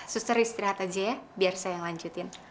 suster istirahat aja ya biar saya yang lanjutin